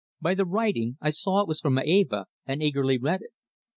By the writing I saw it was from Eva, and eagerly read it.